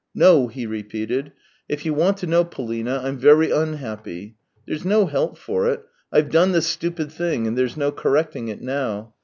" No," he repeated. " If you want to know. Polina, I'm very unhappy. There's no help for it; I've done a stupid thing, and there's no correcting it now.